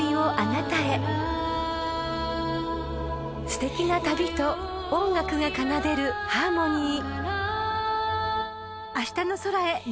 ［すてきな旅と音楽が奏でるハーモニー］